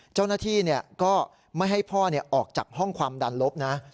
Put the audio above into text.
เจ้าหน้าที่ก็ไม่ให้พ่อออกจากห้องความดันลบนะ